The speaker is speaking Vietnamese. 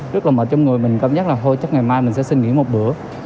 rất là mệt trong người mình cảm giác là thôi chắc ngày mai mình sẽ xin nghỉ một bữa